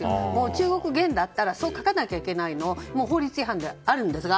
中国元だったらそう書かないといけないのが法律違反であるんですが。